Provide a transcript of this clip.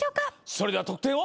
それでは得点を。